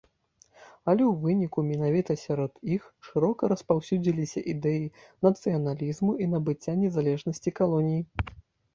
Але ў выніку менавіта сярод іх шырока распаўсюдзіліся ідэі нацыяналізму і набыцця незалежнасці калоній.